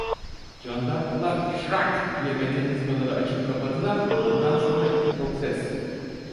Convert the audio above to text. Candarmalar "şırrak" diye mekanizmaları açıp kapadılar, ondan sonra iki tok ses…